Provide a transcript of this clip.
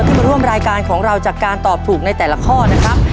มาร่วมรายการของเราจากการตอบถูกในแต่ละข้อนะครับ